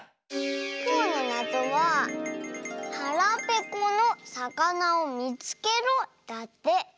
きょうのなぞは「はらぺこのさかなをみつけろ」だって。